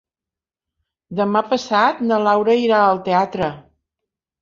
Demà passat na Laura irà al teatre.